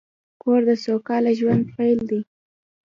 کور د سوکاله ژوند پیل دی.